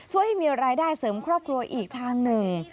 ให้มีรายได้เสริมครอบครัวอีกทางหนึ่ง